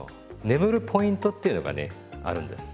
眠るポイントっていうのがねあるんです。